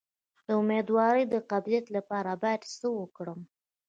د امیدوارۍ د قبضیت لپاره باید څه وکړم؟